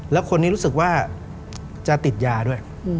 แล้วคนนี้รู้สึกว่าจะติดยาด้วย